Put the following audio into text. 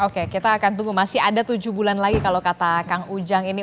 oke kita akan tunggu masih ada tujuh bulan lagi kalau kata kang ujang ini